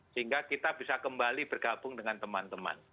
sehingga kita bisa kembali bergabung dengan teman teman